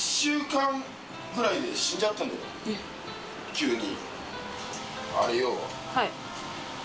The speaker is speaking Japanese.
急に。